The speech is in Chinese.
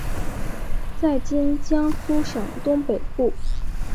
在今江苏省东北部。